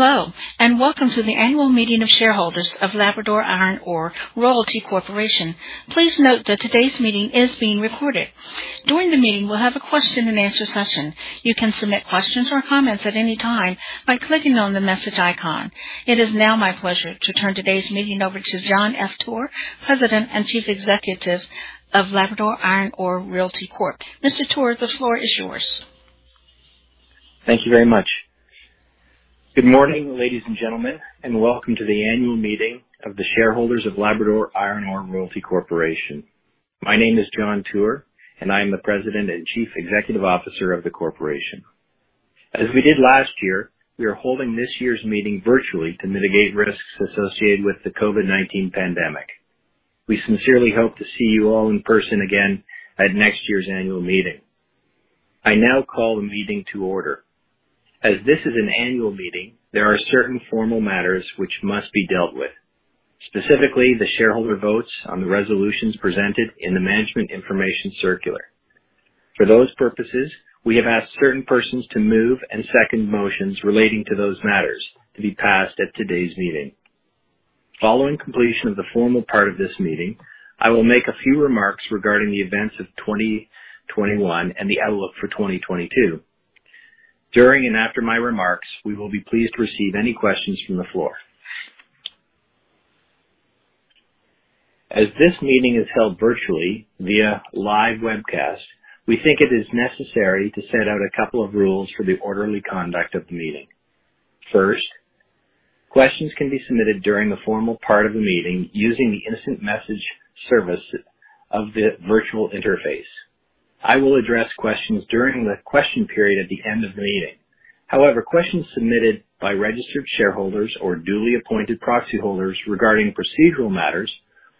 Hello, and welcome to the annual meeting of shareholders of Labrador Iron Ore Royalty Corporation. Please note that today's meeting is being recorded. During the meeting, we'll have a question and answer session. You can submit questions or comments at any time by clicking on the message icon. It is now my pleasure to turn today's meeting over to John F. Tuer, President and Chief Executive of Labrador Iron Ore Royalty Corp. Mr. Tuer, the floor is yours. Thank you very much. Good morning, ladies and gentlemen, and welcome to the annual meeting of the shareholders of Labrador Iron Ore Royalty Corporation. My name is John Tuer, and I am the President and Chief Executive Officer of the corporation. As we did last year, we are holding this year's meeting virtually to mitigate risks associated with the COVID-19 pandemic. We sincerely hope to see you all in person again at next year's annual meeting. I now call the meeting to order. As this is an annual meeting, there are certain formal matters which must be dealt with, specifically the shareholder votes on the resolutions presented in the management information circular. For those purposes, we have asked certain persons to move and second motions relating to those matters to be passed at today's meeting. Following completion of the formal part of this meeting, I will make a few remarks regarding the events of 2021 and the outlook for 2022. During and after my remarks, we will be pleased to receive any questions from the floor. As this meeting is held virtually via live webcast, we think it is necessary to set out a couple of rules for the orderly conduct of the meeting. First, questions can be submitted during the formal part of the meeting using the instant message service of the virtual interface. I will address questions during the question period at the end of the meeting. However, questions submitted by registered shareholders or duly appointed proxy holders regarding procedural matters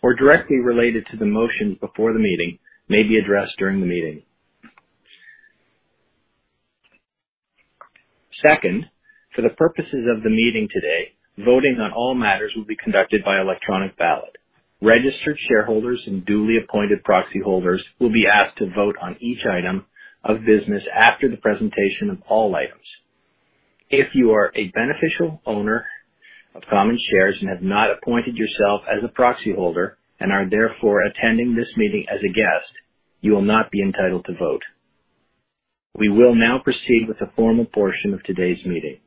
or directly related to the motions before the meeting may be addressed during the meeting. Second, for the purposes of the meeting today, voting on all matters will be conducted by electronic ballot. Registered shareholders and duly appointed proxy holders will be asked to vote on each item of business after the presentation of all items. If you are a beneficial owner of common shares and have not appointed yourself as a proxy holder and are therefore attending this meeting as a guest, you will not be entitled to vote. We will now proceed with the formal portion of today's meeting.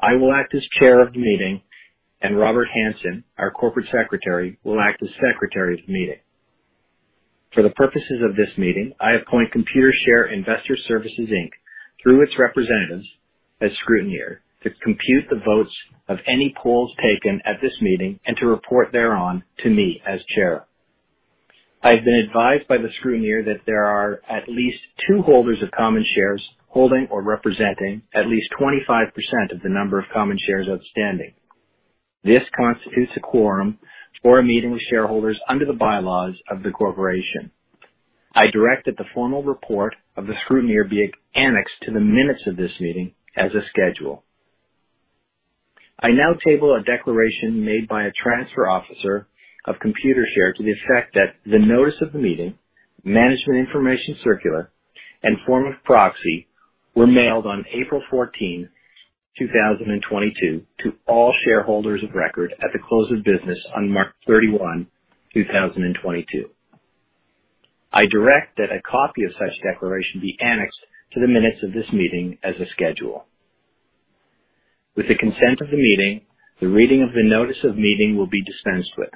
I will act as chair of the meeting, and Robert O. Hansen, our corporate secretary, will act as secretary of the meeting. For the purposes of this meeting, I appoint Computershare Investor Services Inc. through its representatives as scrutineer to compute the votes of any polls taken at this meeting and to report thereon to me as chair. I have been advised by the scrutineer that there are at least two holders of common shares holding or representing at least 25% of the number of common shares outstanding. This constitutes a quorum for a meeting with shareholders under the bylaws of the corporation. I direct that the formal report of the scrutineer be annexed to the minutes of this meeting as a schedule. I now table a declaration made by a transfer officer of Computershare to the effect that the notice of the meeting, management information circular, and form of proxy were mailed on April 14th, 2022 to all shareholders of record at the close of business on March 31st, 2022. I direct that a copy of such declaration be annexed to the minutes of this meeting as a schedule. With the consent of the meeting, the reading of the notice of meeting will be dispensed with.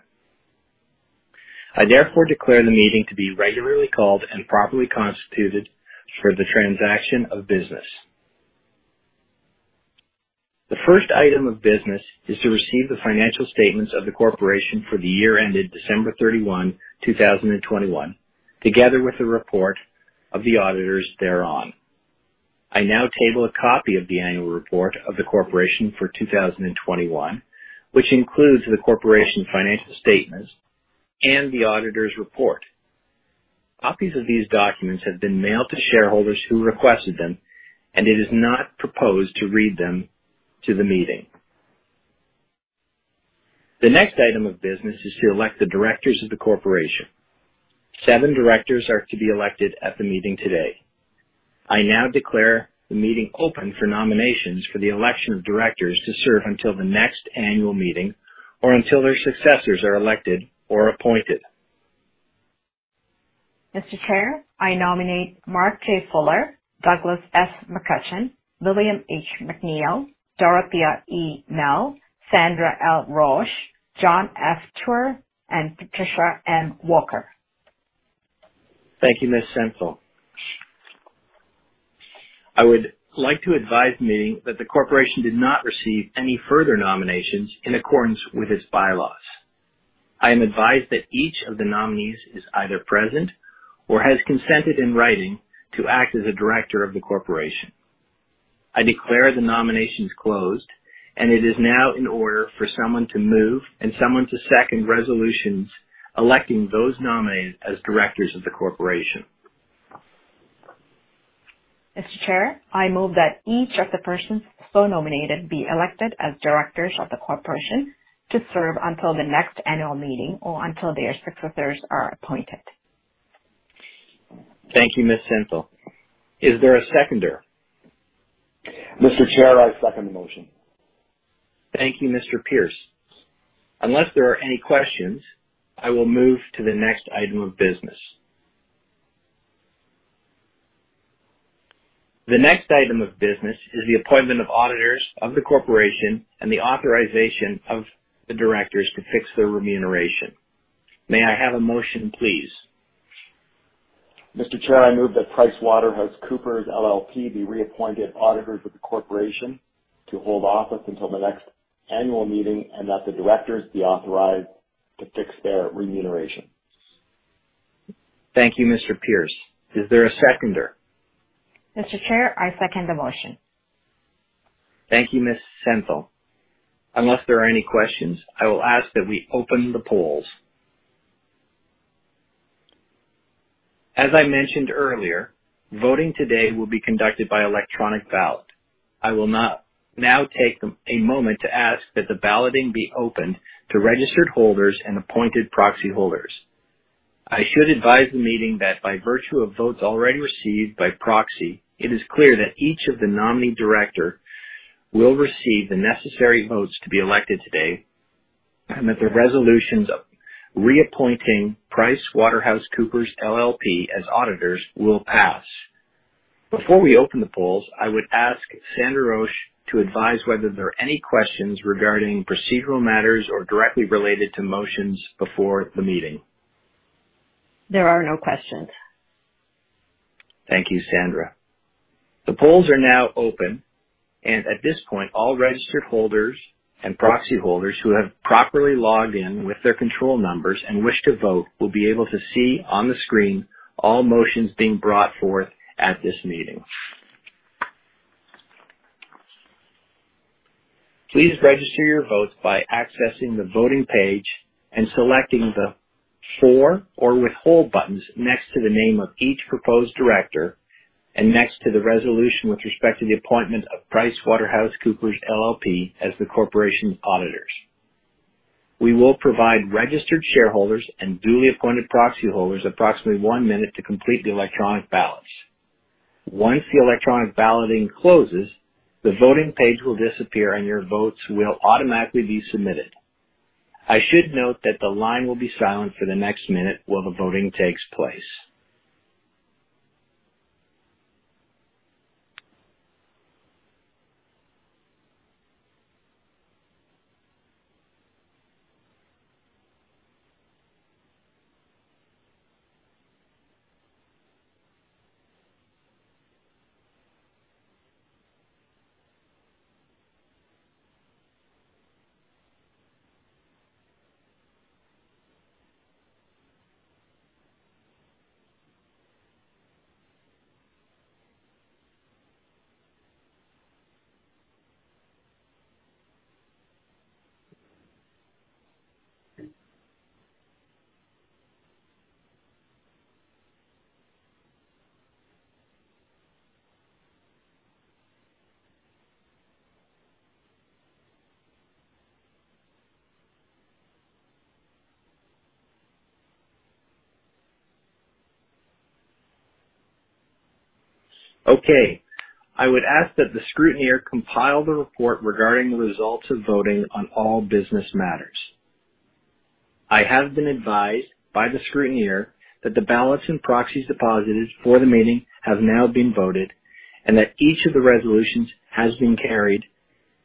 I therefore declare the meeting to be regularly called and properly constituted for the transaction of business. The first item of business is to receive the financial statements of the corporation for the year ended December 31st, 2021, together with the report of the auditors thereon. I now table a copy of the annual report of the corporation for 2021, which includes the corporation's financial statements and the auditor's report. Copies of these documents have been mailed to shareholders who requested them, and it is not proposed to read them to the meeting. The next item of business is to elect the directors of the corporation. Seven directors are to be elected at the meeting today. I now declare the meeting open for nominations for the election of directors to serve until the next annual meeting or until their successors are elected or appointed. Mr. Chair, I nominate Mark J. Fuller, Douglas F. McCutcheon, William H. McNeil, Dorothea E. Mell, Sandra L. Rosch, John F. Tuer, and Patricia M. Volker. Thank you, Ms. Sandra. I would like to advise the meeting that the corporation did not receive any further nominations in accordance with its bylaws. I am advised that each of the nominees is either present or has consented in writing to act as a director of the corporation. I declare the nominations closed, and it is now in order for someone to move and someone to second resolutions electing those nominees as directors of the corporation. Mr. Chair, I move that each of the persons so nominated be elected as directors of the corporation to serve until the next annual meeting or until their successors are appointed. Thank you, Ms. Sandra. Is there a seconder? Mr. Chair, I second the motion. Thank you, Mr. Pearce. Unless there are any questions, I will move to the next item of business. The next item of business is the appointment of auditors of the corporation and the authorization of the directors to fix their remuneration. May I have a motion, please? Mr. Chair, I move that PricewaterhouseCoopers LLP be reappointed auditors of the corporation to hold office until the next annual meeting, and that the directors be authorized to fix their remuneration. Thank you, Mr. Pearce. Is there a seconder? Mr. Chair, I second the motion. Thank you, Ms. Sandra. Unless there are any questions, I will ask that we open the polls. As I mentioned earlier, voting today will be conducted by electronic ballot. I will now take a moment to ask that the balloting be opened to registered holders and appointed proxy holders. I should advise the meeting that by virtue of votes already received by proxy, it is clear that each of the nominee director will receive the necessary votes to be elected today, and that the resolutions of reappointing PricewaterhouseCoopers LLP as auditors will pass. Before we open the polls, I would ask Sandra Rosch to advise whether there are any questions regarding procedural matters or directly related to motions before the meeting. There are no questions. Thank you, Sandra. The polls are now open, and at this point, all registered holders and proxy holders who have properly logged in with their control numbers and wish to vote will be able to see on the screen all motions being brought forth at this meeting. Please register your vote by accessing the voting page and selecting the For or Withhold buttons next to the name of each proposed director. Next to the resolution with respect to the appointment of PricewaterhouseCoopers LLP as the corporation's auditors. We will provide registered shareholders and duly appointed proxy holders approximately one minute to complete the electronic ballots. Once the electronic balloting closes, the voting page will disappear, and your votes will automatically be submitted. I should note that the line will be silent for the next minute while the voting takes place. Okay. I would ask that the scrutineer compile the report regarding the results of voting on all business matters. I have been advised by the scrutineer that the ballots and proxies deposited for the meeting have now been voted, and that each of the resolutions has been carried.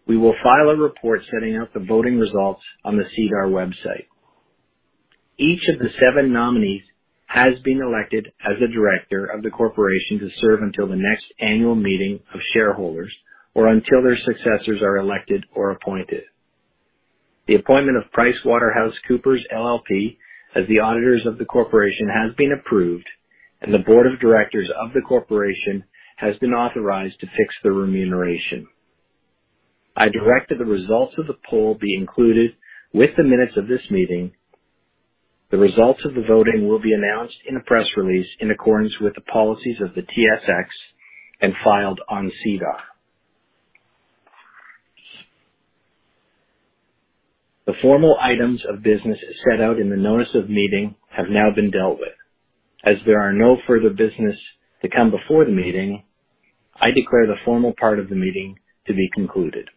We will file a report setting out the voting results on the SEDAR website. Each of the seven nominees has been elected as a director of the corporation to serve until the next annual meeting of shareholders or until their successors are elected or appointed. The appointment of PricewaterhouseCoopers LLP as the auditors of the corporation has been approved, and the board of directors of the corporation has been authorized to fix their remuneration. I direct that the results of the poll be included with the minutes of this meeting. The results of the voting will be announced in a press release in accordance with the policies of the TSX and filed on SEDAR. The formal items of business set out in the notice of meeting have now been dealt with. As there are no further business to come before the meeting, I declare the formal part of the meeting to be concluded.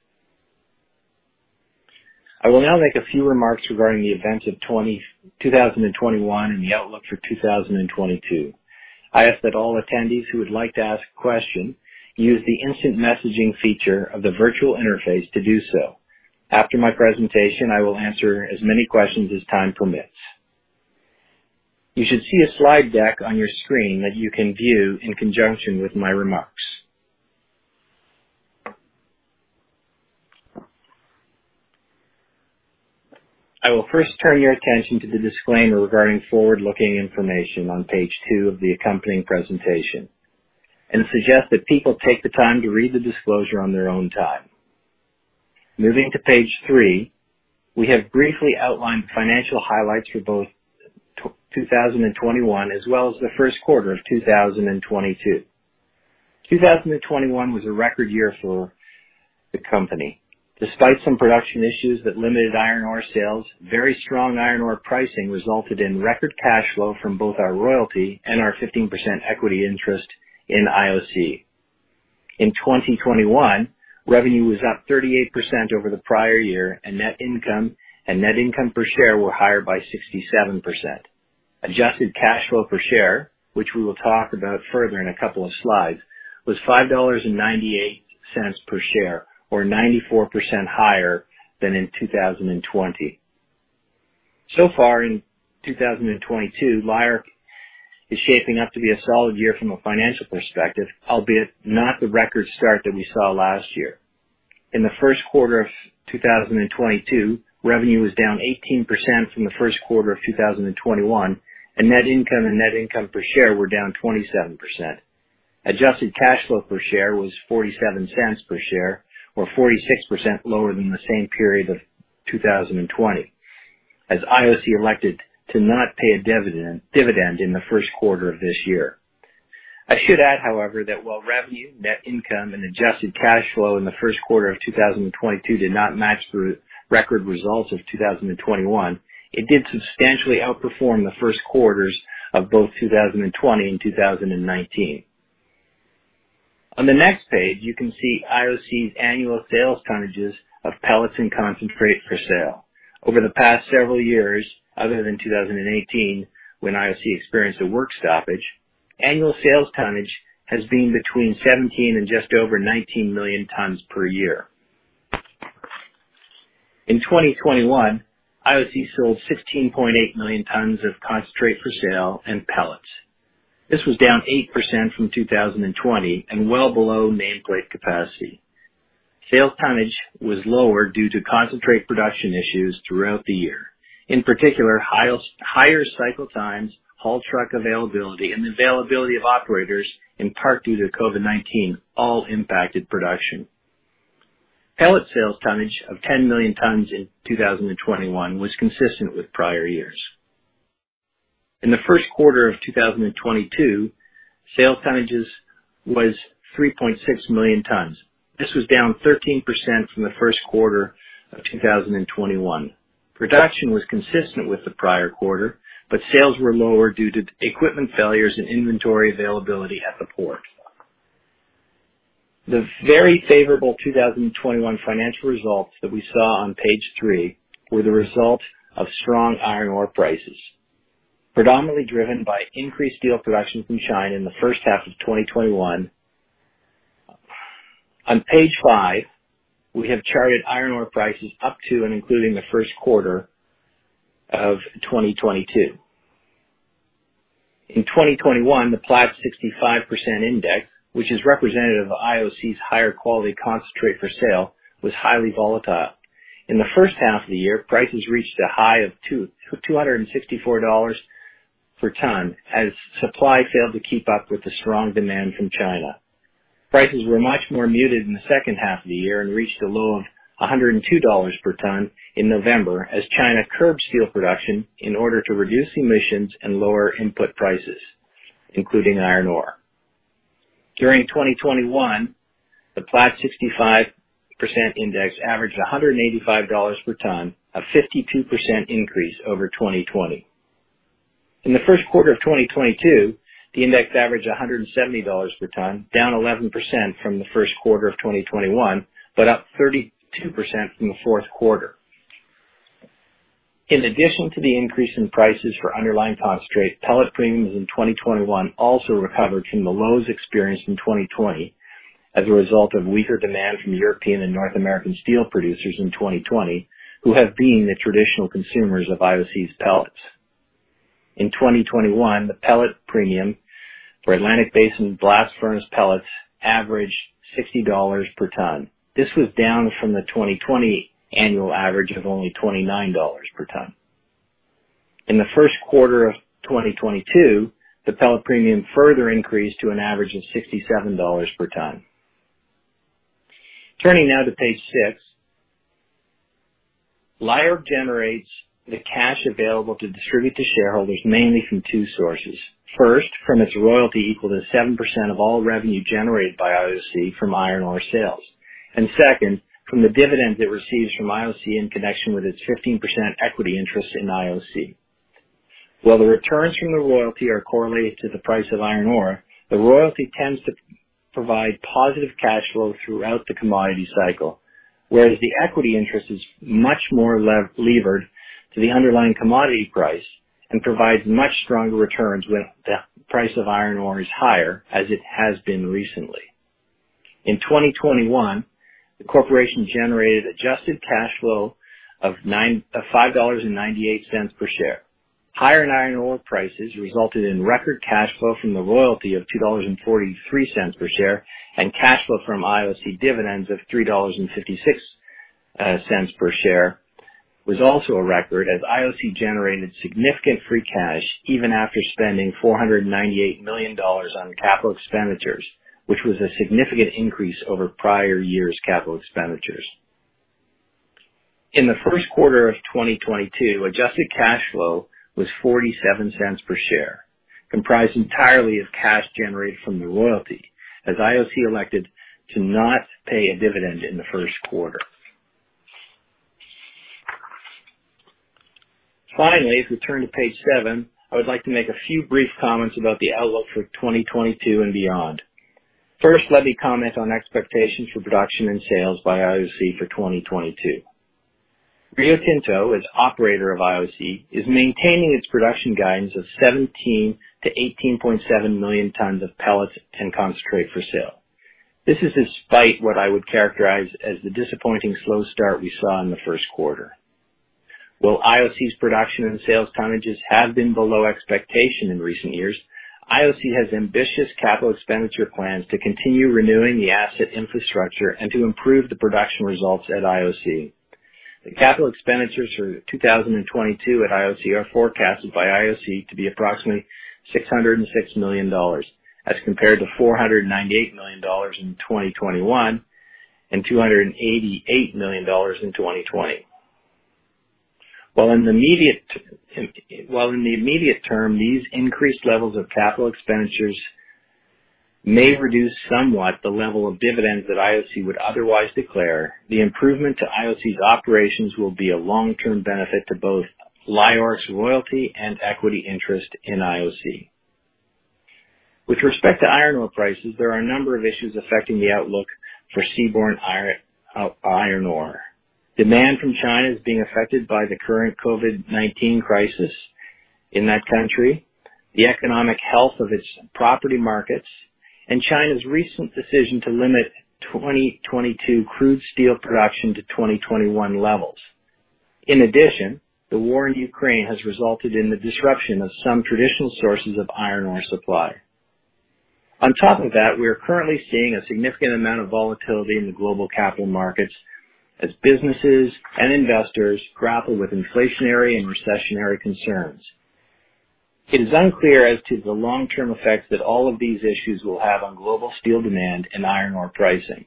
I will now make a few remarks regarding the events of 2021 and the outlook for 2022. I ask that all attendees who would like to ask a question use the instant messaging feature of the virtual interface to do so. After my presentation, I will answer as many questions as time permits. You should see a slide deck on your screen that you can view in conjunction with my remarks. I will first turn your attention to the disclaimer regarding forward-looking information on page two of the accompanying presentation and suggest that people take the time to read the disclosure on their own time. Moving to page three, we have briefly outlined the financial highlights for both 2021 as well as the first quarter of 2022. 2021 was a record year for the company. Despite some production issues that limited iron ore sales, very strong iron ore pricing resulted in record cash flow from both our royalty and our 15% equity interest in IOC. In 2021, revenue was up 38% over the prior year, and net income and net income per share were higher by 67%. Adjusted cash flow per share, which we will talk about further in a couple of slides, was 5.98 dollars per share, or 94% higher than in 2020. So far in 2022, LIORC is shaping up to be a solid year from a financial perspective, albeit not the record start that we saw last year. In the first quarter of 2022, revenue was down 18% from the first quarter of 2021, and net income and net income per share were down 27%. Adjusted cash flow per share was 0.47 per share, or 46% lower than the same period of 2020, as IOC elected to not pay a dividend in the first quarter of this year. I should add, however, that while revenue, net income and adjusted cash flow in the first quarter of 2022 did not match the record results of 2021, it did substantially outperform the first quarters of both 2020 and 2019. On the next page, you can see IOC's annual sales tonnages of pellets and concentrate for sale. Over the past several years, other than 2018, when IOC experienced a work stoppage, annual sales tonnage has been between 17 and just over 19 million tons per year. In 2021, IOC sold 16.8 million tons of concentrate for sale and pellets. This was down 8% from 2020 and well below nameplate capacity. Sales tonnage was lower due to concentrate production issues throughout the year. In particular, higher cycle times, haul truck availability and availability of operators, in part due to COVID-19, all impacted production. Pellet sales tonnage of 10 million tons in 2021 was consistent with prior years. In the first quarter of 2022, sales tonnages was 3.6 million tons. This was down 13% from the first quarter of 2021. Production was consistent with the prior quarter, but sales were lower due to equipment failures and inventory availability at the port. The very favorable 2021 financial results that we saw on page three were the result of strong iron ore prices, predominantly driven by increased steel production from China in the first half of 2021. On page five, we have charted iron ore prices up to and including the first quarter of 2022. In 2021, the Platts 65% Fe index, which is representative of IOC's higher quality concentrate for sale, was highly volatile. In the first half of the year, prices reached a high of $264 per ton as supply failed to keep up with the strong demand from China. Prices were much more muted in the second half of the year and reached a low of $102 per ton in November as China curbed steel production in order to reduce emissions and lower input prices, including iron ore. During 2021, the Platts 65% Fe index averaged $185 per ton, a 52% increase over 2020. In the first quarter of 2022, the index averaged $170 per ton, down 11% from the first quarter of 2021, but up 32% from the fourth quarter. In addition to the increase in prices for underlying concentrate, pellet premiums in 2021 also recovered from the lows experienced in 2020 as a result of weaker demand from European and North American steel producers in 2020, who have been the traditional consumers of IOC's pellets. In 2021, the pellet premium for Atlantic Basin blast furnace pellets averaged $60 per ton. This was down from the 2020 annual average of only $29 per ton. In the first quarter of 2022, the pellet premium further increased to an average of $67 per ton. Turning now to page six. LIORC generates the cash available to distribute to shareholders mainly from two sources. First, from its royalty equal to 7% of all revenue generated by IOC from iron ore sales. Second, from the dividend it receives from IOC in connection with its 15% equity interest in IOC. While the returns from the royalty are correlated to the price of iron ore, the royalty tends to provide positive cash flow throughout the commodity cycle, whereas the equity interest is much more levered to the underlying commodity price and provides much stronger returns when the price of iron ore is higher, as it has been recently. In 2021, the corporation generated adjusted cash flow of 5.98 dollars per share. Higher iron ore prices resulted in record cash flow from the royalty of 2.43 dollars per share, and cash flow from IOC dividends of 3.56 dollars cents per share was also a record as IOC generated significant free cash even after spending 498 million dollars on capital expenditures, which was a significant increase over prior year's capital expenditures. In the first quarter of 2022, adjusted cash flow was 0.47 per share, comprised entirely of cash generated from the royalty, as IOC elected to not pay a dividend in the first quarter. Finally, if we turn to page seven, I would like to make a few brief comments about the outlook for 2022 and beyond. First, let me comment on expectations for production and sales by IOC for 2022. Rio Tinto, as operator of IOC, is maintaining its production guidance of 17-18.7 million tons of pellets and concentrate for sale. This is despite what I would characterize as the disappointing slow start we saw in the first quarter. While IOC's production and sales tonnages have been below expectation in recent years, IOC has ambitious capital expenditure plans to continue renewing the asset infrastructure and to improve the production results at IOC. The capital expenditures for 2022 at IOC are forecasted by IOC to be approximately 606 million dollars as compared to 498 million dollars in 2021 and 288 million dollars in 2020. While in the immediate term, these increased levels of capital expenditures may reduce somewhat the level of dividends that IOC would otherwise declare, the improvement to IOC's operations will be a long-term benefit to both LIORC's royalty and equity interest in IOC. With respect to iron ore prices, there are a number of issues affecting the outlook for seaborne iron ore. Demand from China is being affected by the current COVID-19 crisis in that country, the economic health of its property markets, and China's recent decision to limit 2022 crude steel production to 2021 levels. In addition, the war in Ukraine has resulted in the disruption of some traditional sources of iron ore supply. On top of that, we are currently seeing a significant amount of volatility in the global capital markets as businesses and investors grapple with inflationary and recessionary concerns. It is unclear as to the long-term effects that all of these issues will have on global steel demand and iron ore pricing.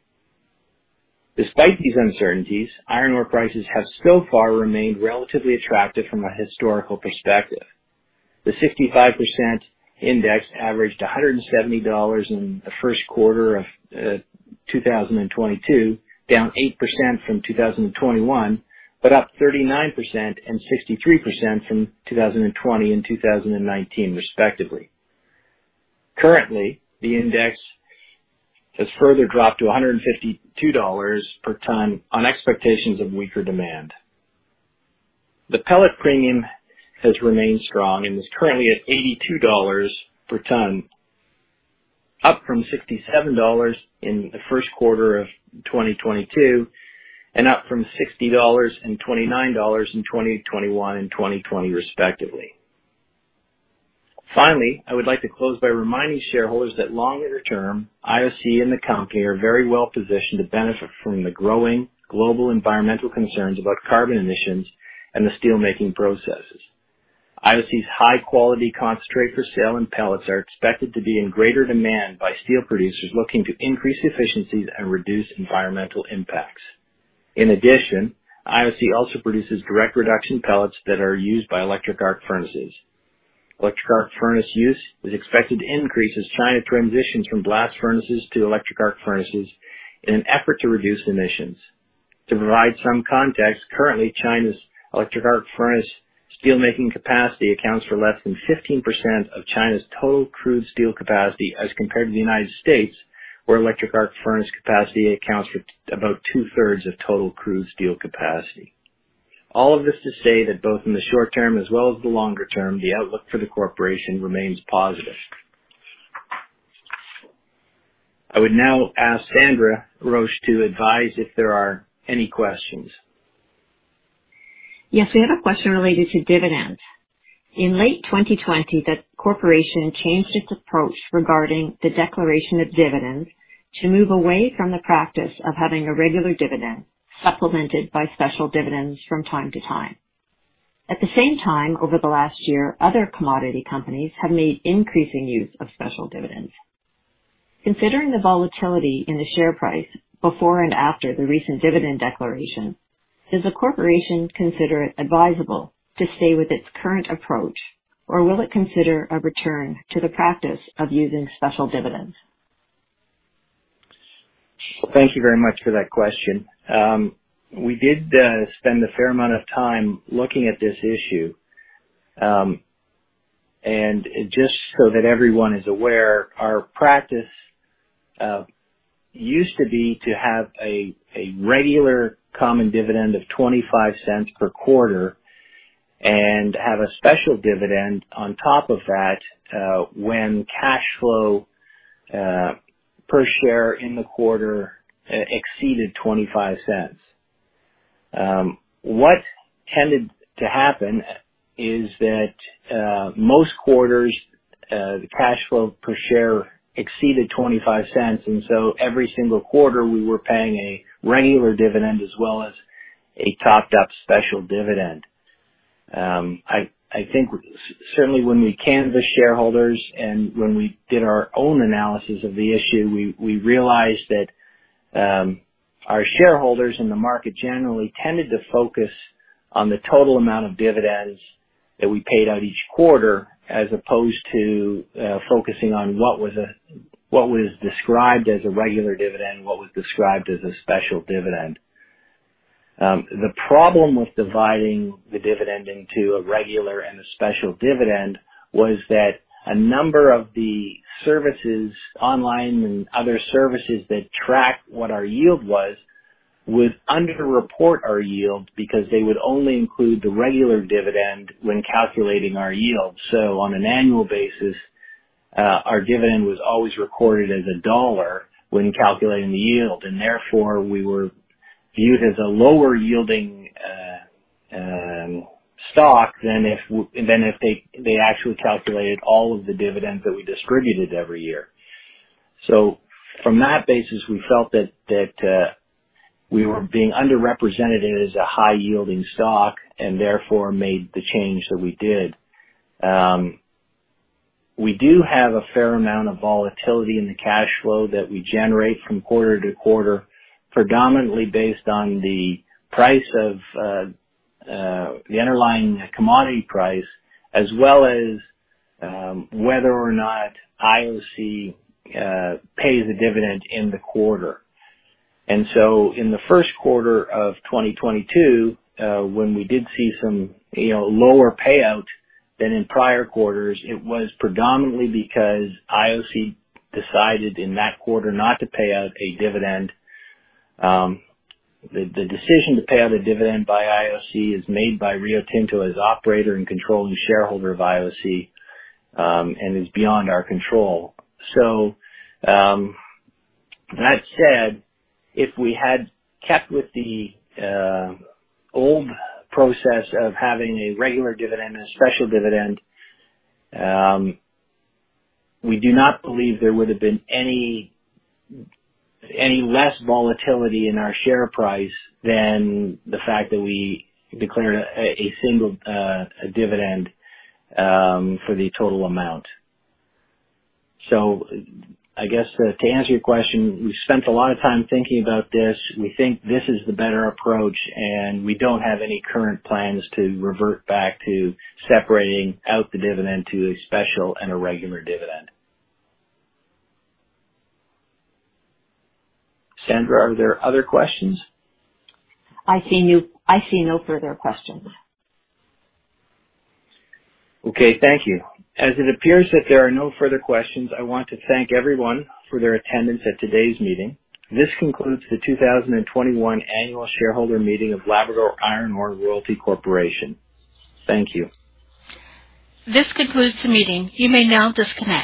Despite these uncertainties, iron ore prices have so far remained relatively attractive from a historical perspective. The 65% index averaged $170 in the first quarter of 2022, down 8% from 2021, but up 39% and 63% from 2020 and 2019, respectively. Currently, the index has further dropped to $152 per ton on expectations of weaker demand. The pellet premium has remained strong and is currently at $82 per ton, up from $67 in the first quarter of 2022, and up from $60 and $29 in 2021 and 2020, respectively. Finally, I would like to close by reminding shareholders that longer term, IOC and the company are very well positioned to benefit from the growing global environmental concerns about carbon emissions and the steelmaking processes. IOC's high-quality concentrate for sale and pellets are expected to be in greater demand by steel producers looking to increase efficiencies and reduce environmental impacts. In addition, IOC also produces direct reduction pellets that are used by electric arc furnaces. Electric arc furnace use is expected to increase as China transitions from blast furnaces to electric arc furnaces in an effort to reduce emissions. To provide some context, currently, China's electric arc furnace steelmaking capacity accounts for less than 15% of China's total crude steel capacity as compared to the United States, where electric arc furnace capacity accounts for about two-thirds of total crude steel capacity. All of this to say that both in the short term as well as the longer term, the outlook for the corporation remains positive. I would now ask Sandra Rosch to advise if there are any questions. Yes. We have a question related to dividends. In late 2020, the corporation changed its approach regarding the declaration of dividends to move away from the practice of having a regular dividend supplemented by special dividends from time to time. At the same time, over the last year, other commodity companies have made increasing use of special dividends. Considering the volatility in the share price before and after the recent dividend declaration, does the corporation consider it advisable to stay with its current approach, or will it consider a return to the practice of using special dividends? Thank you very much for that question. We did spend a fair amount of time looking at this issue. Just so that everyone is aware, our practice used to be to have a regular common dividend of 0.25 per quarter and have a special dividend on top of that, when cash flow per share in the quarter exceeded 0.25. What tended to happen is that most quarters the cash flow per share exceeded 0.25, and so every single quarter we were paying a regular dividend as well as a topped up special dividend. I think certainly when we canvassed shareholders and when we did our own analysis of the issue, we realized that our shareholders and the market generally tended to focus on the total amount of dividends that we paid out each quarter as opposed to focusing on what was described as a regular dividend, what was described as a special dividend. The problem with dividing the dividend into a regular and a special dividend was that a number of the services online and other services that track what our yield was would underreport our yield because they would only include the regular dividend when calculating our yield. On an annual basis, our dividend was always recorded as CAD 1 when calculating the yield, and therefore we were viewed as a lower yielding stock than if they actually calculated all of the dividends that we distributed every year. From that basis, we felt that we were being underrepresented as a high yielding stock and therefore made the change that we did. We do have a fair amount of volatility in the cash flow that we generate from quarter to quarter, predominantly based on the price of the underlying commodity price as well as whether or not IOC pays a dividend in the quarter. In the first quarter of 2022, when we did see some, you know, lower payout than in prior quarters, it was predominantly because IOC decided in that quarter not to pay out a dividend. The decision to pay out a dividend by IOC is made by Rio Tinto as operator and controlling shareholder of IOC, and is beyond our control. That said, if we had kept with the old process of having a regular dividend and a special dividend, we do not believe there would have been any less volatility in our share price than the fact that we declared a single dividend for the total amount. I guess to answer your question, we've spent a lot of time thinking about this. We think this is the better approach, and we don't have any current plans to revert back to separating out the dividend to a special and a regular dividend. Sandra, are there other questions? I see no further questions. Okay. Thank you. As it appears that there are no further questions, I want to thank everyone for their attendance at today's meeting. This concludes the 2021 annual shareholder meeting of Labrador Iron Ore Royalty Corporation. Thank you. This concludes the meeting. You may now disconnect.